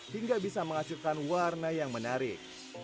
hingga bisa menghasilkan warna yang menarik